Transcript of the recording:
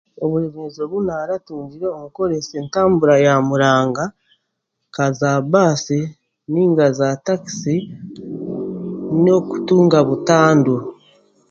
Oburemeezi obu naaratungire omu kukoreesa entambura ya muranga nk'aza baasi nainga zaatakisi n'okutunga butandu.